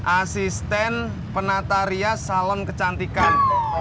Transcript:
asisten penataria salon kecantikan